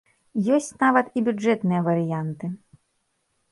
Ёсць нават і бюджэтныя варыянты.